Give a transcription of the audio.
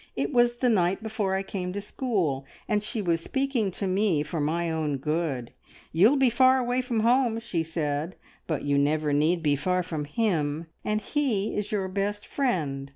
"It was the night before I came to school, and she was speaking to me for my good. `You'll be far away from home,' she said, `but you never need be far from Him, and He is your best friend.